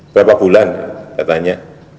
berapa bulan saya tanya